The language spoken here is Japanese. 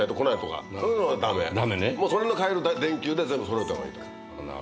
その辺の買える電球で全部揃えた方がいいと思う。